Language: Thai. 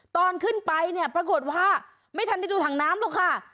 ตอนขึ้นไปเนี่ยปรากฏว่าไม่ทันได้ดูถังน้ำหรอกค่ะ